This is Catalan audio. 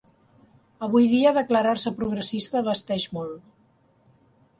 Avui dia declarar-se progressista vesteix molt.